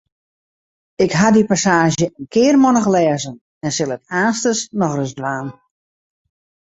Ik haw dy passaazje in kearmannich lêzen en sil it aanstens noch ris dwaan.